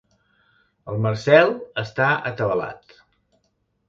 El Marcel està atabalat.